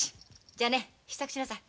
じゃあね支度しなさい。